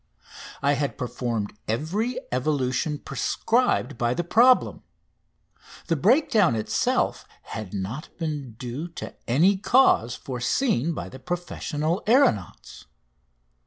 I had performed every evolution prescribed by the problem. _The breakdown itself had not been due to any cause foreseen by the professional aeronauts.